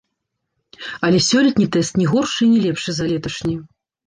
Але сёлетні тэст не горшы і не лепшы за леташні!